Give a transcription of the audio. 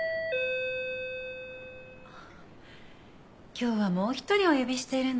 今日はもう一人お呼びしてるの。